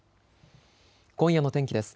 今夜の天気です。